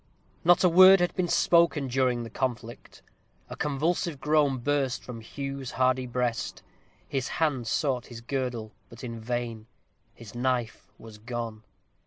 Not a word had been spoken during the conflict. A convulsive groan burst from Hugh's hardy breast. His hand sought his girdle, but in vain; his knife was gone.